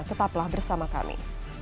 tetaplah bersama kami